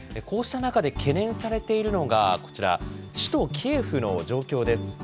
こうした中で懸念されているのが、こちら、首都キエフの状況です。